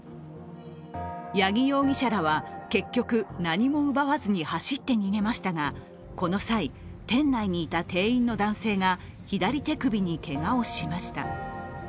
八木容疑者らは結局、何も奪わずに走って逃げましたがこの際、店内にいた、店員の男性が左手首にけがをしました。